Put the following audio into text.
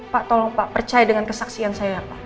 pak tolong pak percaya dengan kesaksian saya